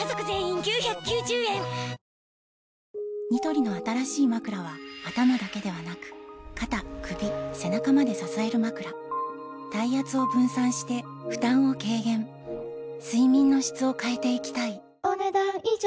⁉ニトリの新しいまくらは頭だけではなく肩・首・背中まで支えるまくら体圧を分散して負担を軽減睡眠の質を変えていきたいお、ねだん以上。